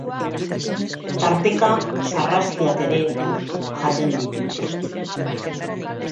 Tarteka sarraskiak ere jaten ditu.